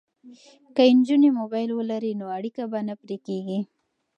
که نجونې موبایل ولري نو اړیکه به نه پرې کیږي.